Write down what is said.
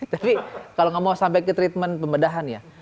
tapi kalau nggak mau sampai ke treatment pembedahan ya